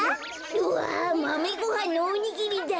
うわマメごはんのおにぎりだ。